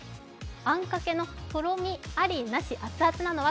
あんかけのとろみあり・なし熱々なのは？